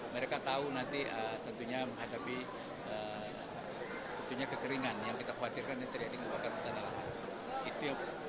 mereka tahu nanti tentunya menghadapi kekeringan yang kita khawatirkan ini terjadi di buah kata tanah